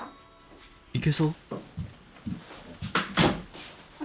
行けそう？